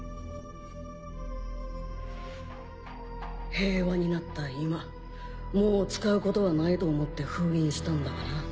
平和になった今もう使うことはないと思って封印したんだがな。